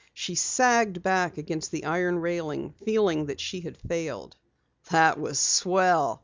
She sagged back against the iron railing, feeling that she had failed. "That was swell!"